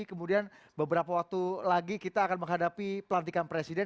kemudian beberapa waktu lagi kita akan menghadapi pelantikan presiden